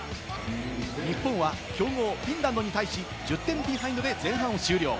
日本は強豪・フィンランドに対し、１０点ビハインドで前半を終了。